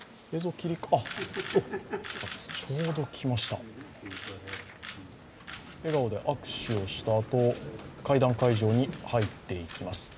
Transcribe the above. ちょうど来ました、笑顔で握手をしたあと、会談会場に入っていきます。